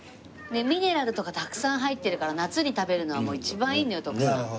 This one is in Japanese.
ミネラルとかたくさん入ってるから夏に食べるのは一番いいんだよ徳さん。